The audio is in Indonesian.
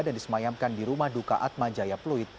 dan disemayamkan di rumah dukaat majaya pluit